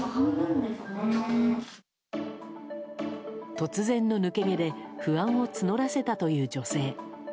突然の抜け毛で不安を募らせたという女性。